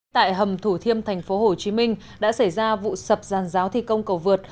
tại hầm thủ thiêm thành phố hồ chí minh đã xảy ra vụ sập giàn giáo thi công cầu vượt